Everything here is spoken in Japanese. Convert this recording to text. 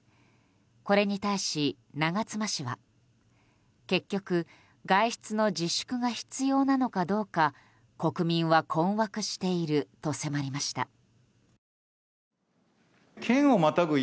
これに対し、長妻氏は結局、外出の自粛が必要なのかどうか、国民は困惑していると迫りました。